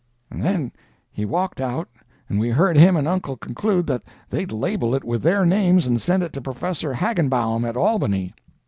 "And then he walked out, and we heard him and uncle conclude that they'd label it with their names and send it to Professor Hagenbaum, at Albany.